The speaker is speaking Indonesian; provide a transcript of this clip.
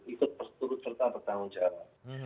ikut turut serta bertanggung jawab